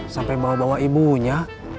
sampai bawa bawa ibunya